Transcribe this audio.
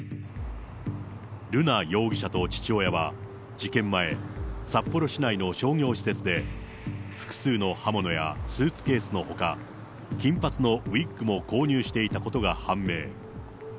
瑠奈容疑者と父親は、事件前、札幌市内の商業施設で、複数の刃物やスーツケースのほか、金髪のウイッグも購入していたことが判明。